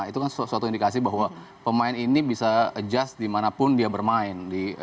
itu kan suatu indikasi bahwa pemain ini bisa adjust dimanapun dia bermain